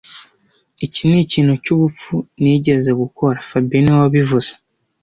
Iki nikintu cyubupfu nigeze gukora fabien niwe wabivuze